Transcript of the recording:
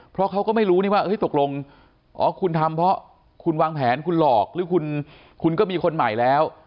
เพราะเขาก็ไม่รู้นี่ว่าตกลงอ๋อคุณทำเพราะคุณวางแผนคุณหลอกหรือคุณก็มีคนใหม่แล้ว